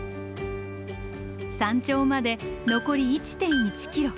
山頂まで残り１．１ｋｍ。